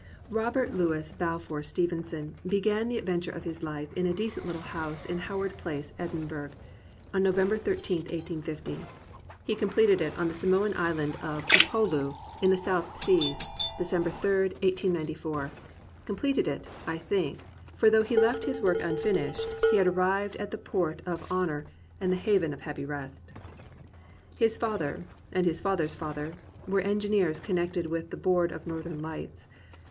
Robert Lewis Balfour Stevenson began the ad venture of Kfe in a decent little house in Howard Place, Edinburgh, on November 13, 1850. He completed it on the Samoan island of Upolu in the South Seas, December 3, 1894, — completed it, I think, for though he left his work unfinished he had arrived at the port of honour and the haven of happy rest. His father, and his father's father, were engineers connected with the Board of Northern Lights.